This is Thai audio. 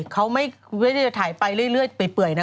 เขาไม่ได้จะถ่ายไปเรื่อยเปื่อยนะ